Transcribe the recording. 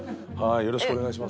よろしくお願いします。